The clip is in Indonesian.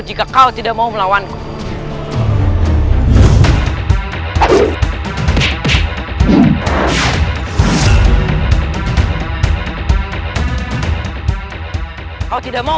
jika kau tidak mau melawanku